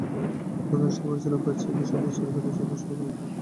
যতটা আশা করেছিলাম তার চেয়েও বেশি প্রশ্রয় পেয়ে যাতায়াত শুরু করলাম নিয়মিত।